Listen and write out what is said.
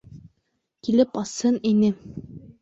Килеп асһын ине.